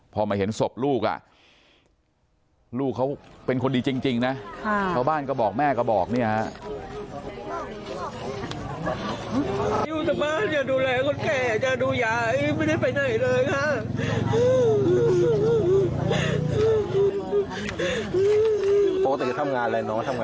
พอมาเห็นศพลูกอ่ะลูกลูกเขาเป็นคนดีจริงนะชาวบ้านก็บอกแม่ก็บอกเนี่ยฮะ